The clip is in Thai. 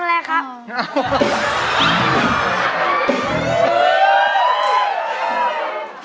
เลยมาก